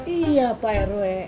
iya pak rw